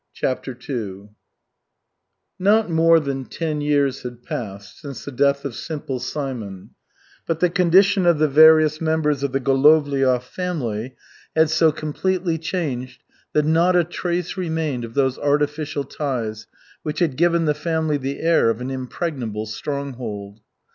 CHAPTER II Not more than ten years had passed since the death of Simple Simon, but the condition of the various members of the Golovliov family had so completely changed that not a trace remained of those artificial ties which had given the family the air of an impregnable stronghold.